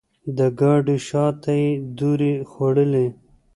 د ګاډۍ شاته یې دورې خوړلې.